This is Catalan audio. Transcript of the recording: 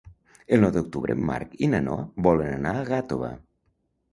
El nou d'octubre en Marc i na Noa volen anar a Gàtova.